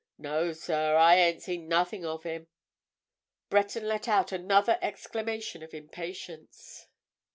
No, sir, I ain't seen nothing of him." Breton let out another exclamation of impatience.